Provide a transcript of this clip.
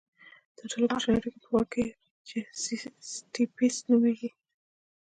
تر ټولو کوچنی هډوکی په غوږ کې دی چې سټیپس نومېږي.